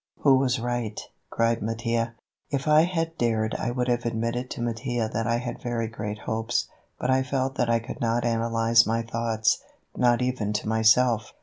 "Who was right?" cried Mattia. If I had dared I would have admitted to Mattia that I had very great hopes, but I felt that I could not analyze my thoughts, not even to myself.